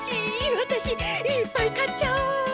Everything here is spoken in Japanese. ワタシいっぱい買っちゃおう！